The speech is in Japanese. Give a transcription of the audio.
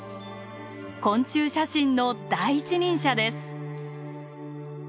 昆虫写真の第一人者です。